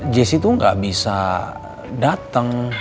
jessy tuh gak bisa dateng